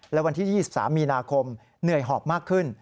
และวันที่๒๓มีนาคมเหนื่อยหอบมากขึ้น